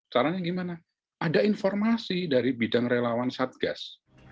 caranya gimana ada informasi dari bidang relawan satgas